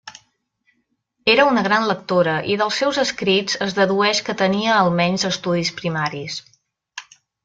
Era una gran lectora i dels seus escrits es dedueix que tenia almenys estudis primaris.